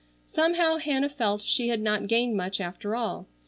Somehow Hannah felt she had not gained much after all.